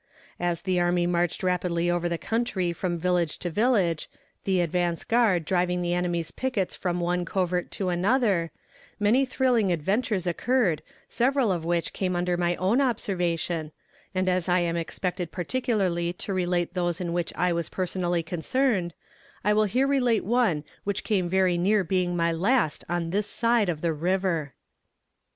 As the army marched rapidly over the country from village to village, the advance guard driving the enemy's pickets from one covert to another, many thrilling adventures occurred, several of which came under my own observation, and as I am expected particularly to relate those in which I was personally concerned, I will here relate one which came very near being my last on this side the "river."